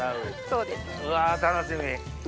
うわ楽しみ。